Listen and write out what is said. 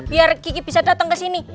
biar gigi bisa datang kesini